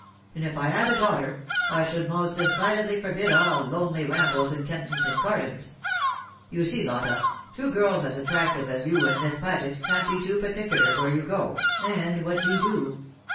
And if I had a daughter, I should most decidedly forbid all lonely rambles in Kensington Gardens. You see, Lotta, two girls as attractive as you and Miss Paget can't be too particular where you go, and what you do.